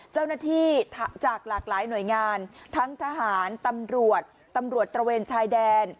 เจ้าหน้าที่จากหลากหลายหน่วยงานทั้งทหารตำรวจตำรวจตระเวนชายแดน